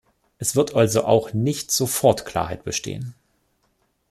Es wird also auch nicht sofort Klarheit bestehen.